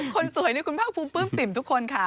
คนสวยนี่คุณภาคภูมิปื้มปิ่มทุกคนค่ะ